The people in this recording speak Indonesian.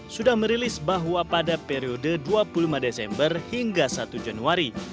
sudah merilis bahwa pada periode dua puluh lima desember hingga satu januari